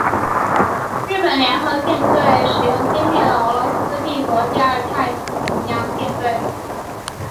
日本联合舰队使用歼灭了俄罗斯帝国第二太平洋舰队。